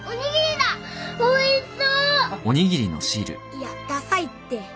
いやださいって。